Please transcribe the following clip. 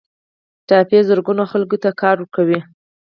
ټاپي زرګونه خلکو ته کار ورکوي